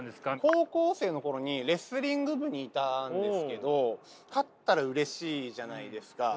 高校生の頃にレスリング部にいたんですけど勝ったらうれしいじゃないですか。